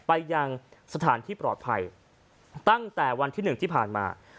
ไปยังสถานที่ปลอดภัยตั้งแต่วันที่๑ที่ผ่านมา